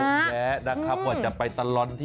ผมแยะนะครับว่าจะไปตลอดที่